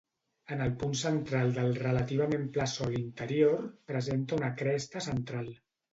En el punt central del relativament pla sòl interior presenta una cresta central.